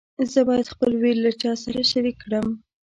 زه باید خپل ویر له چا سره شریک کړم.